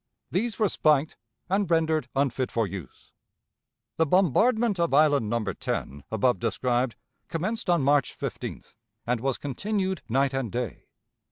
These were spiked and rendered unfit for use. The bombardment of Island No. 10, above described, commenced on March 15th, and was continued night and day.